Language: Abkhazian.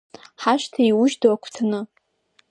Ҳашҭа еиужь ду агәҭаны…